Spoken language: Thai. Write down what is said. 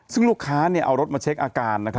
ซึ่งลูกค้าเอารถมาเช็คอาการ